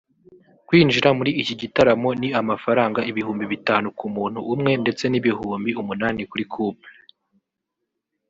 Kwinjira muri iki gitaramo ni amafaranga ibihumbi bitanu ku muntu umwe ndetse n’ibihumbi umunani kuri couple